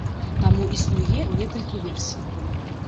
Таму існуе некалькі версій.